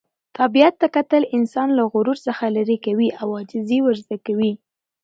طبیعت ته کتل انسان له غرور څخه لیرې کوي او عاجزي ور زده کوي.